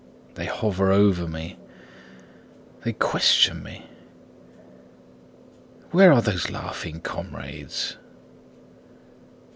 They hover over me. They question me: Where are those laughing comrades?